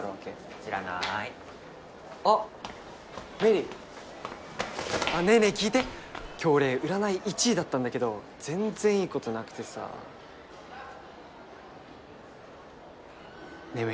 知らなーいあっ芽李ねえねえ聞いて今日俺占い１位だったんだけど全然いいことなくてさねえ